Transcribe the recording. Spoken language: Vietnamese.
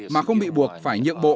mà không bị buộc phải nhượng bộ